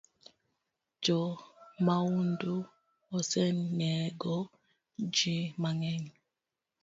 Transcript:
Jo maundu osenego jii mangeny